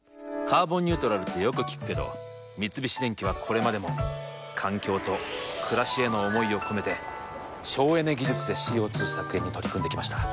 「カーボンニュートラル」ってよく聞くけど三菱電機はこれまでも環境と暮らしへの思いを込めて省エネ技術でＣＯ２削減に取り組んできました。